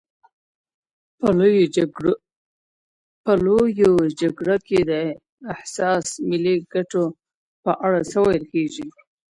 په لویه جرګه کي د حساسو ملي ګټو په اړه څه ویل کیږي؟